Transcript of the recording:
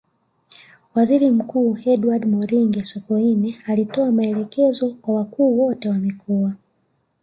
Waziri Mkuu Edward Moringe Sokoine alitoa maelekezo kwa wakuu wote wa mikoa